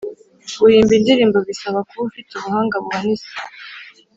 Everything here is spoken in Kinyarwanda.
guhimba indirimbo bisaba kuba ufite ubuhanga buhanise